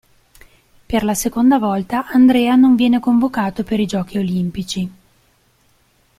Per la seconda volta Andrea non viene convocato per i Giochi Olimpici.